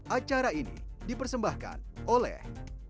acara ini dipersembahkan oleh